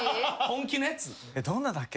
本気のやつ。